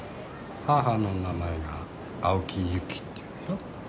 母の名前が青木ゆきっていうでしょ。